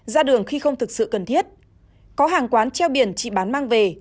ra đường khi không thực sự cần thiết có hàng quán treo biển chỉ bán mang về